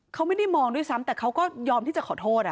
เขาไม่ได้มองด้วยซ้ำแต่เขาก็ยอมที่จะขอโทษ